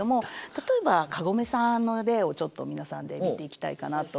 例えばカゴメさんの例をちょっと皆さんで見ていきたいかなと。